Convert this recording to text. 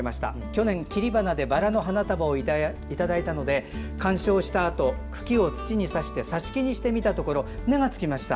去年、切り花でバラの花束をいただいたので観賞したあと、茎を土に挿して挿し木にしてみたところ根がつきました。